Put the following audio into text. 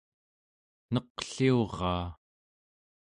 neqliuraa